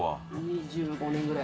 ２５年ぐらい。